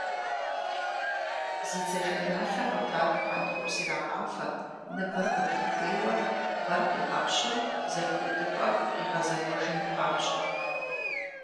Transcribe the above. Зи дзажэналъэ къутар хьэнтхъупс ирагъафэрт ныбэр къыдрихуейуэ, бгъэр къигъэпщу зэпыудыпӏэр къигъэзахуэжын папщӏэ.